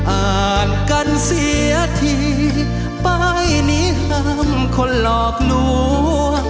อ่านกันเสียทีไปนี้ห้ามคนหลอกนวง